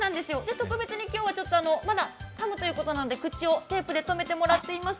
特別に今日は、まだかむということで口をテープで留めてもらっています。